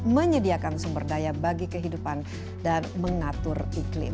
menyediakan sumber daya bagi kehidupan dan mengatur iklim